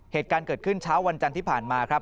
เหตุการณ์เกิดขึ้นเช้าวันจันทร์ที่ผ่านมาครับ